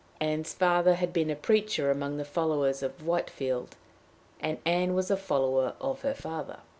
Ann's father had been a preacher among the followers of Whitefield, and Ann was a follower of her father.